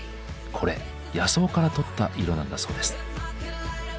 これ野草からとった色なんだそうです。